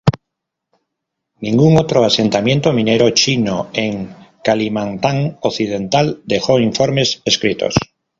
Ningún otro asentamiento minero chino en Kalimantan Occidental dejó informes escritos.